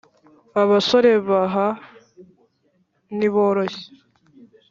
Abasore baha ntiboroshye